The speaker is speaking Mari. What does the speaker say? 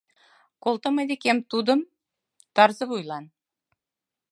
Колто мый декем тудым тарзывуйлан.